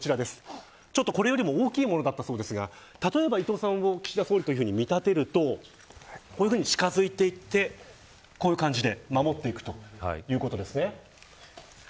ちょっとこれよりも大きいものだったそうですが例えば伊藤さんを岸田総理と見立てるとこういうふうに近付いていってこういう感じで守っていくということです。